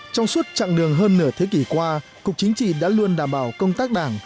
trong suốt chặng đường hơn nửa thế kỷ qua cục chính trị đã luôn đảm bảo công tác đảng